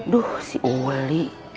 duh si uli